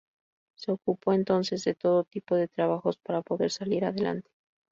Se ocupó entonces de todo tipo de trabajos para poder salir adelante.